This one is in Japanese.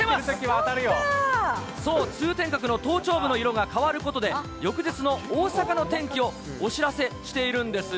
そう、通天閣の塔頂部の色が変わることで、翌日の大阪の天気をお知らせしているんです。